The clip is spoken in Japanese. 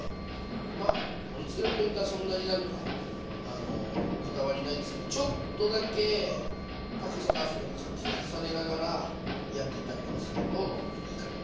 まあ盛りつけのポイントはそんなに何かこだわりないんですけどちょっとだけ高さ出すような感じで重ねながらやってったりとかするといいかも。